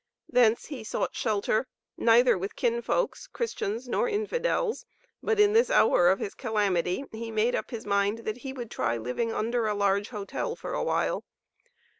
Thence he sought shelter neither with kinfolks, Christians, nor infidels, but in this hour of his calamity he made up his mind that he would try living under a large hotel for a while.